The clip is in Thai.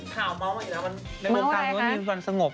แต่พี่แดนเนี่ยมันข่าวเมาส์อยู่นะ